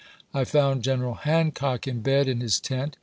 I found General Hancock in bed in his tent.